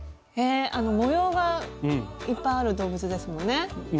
えあの模様がいっぱいある動物ですもんね。